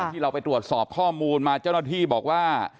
ที่เราไปตรวจสอบข้อมูลมาเจ้าหน้าที่บอกว่า